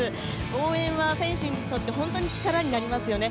応援は選手にとって本当に力になりますよね。